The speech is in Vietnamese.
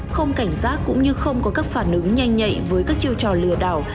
không cảnh giác cũng như không có các phản ứng nhanh nhạy với các chiêu trò lừa đảo